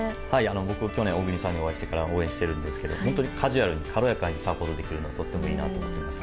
僕は去年、小栗さんにお会いしてから参加していまして本当にカジュアルに軽やかにサポートできるのがいいなと思っています。